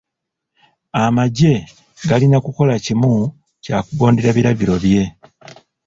Amagye galina kukola kimu kya kugondera biragiro bye.